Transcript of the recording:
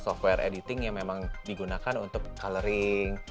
software editing yang memang digunakan untuk coloring